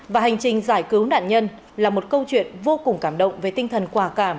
và hành trình giải cứu nạn nhân là một câu chuyện vô cùng cảm động về tinh thần quả cảm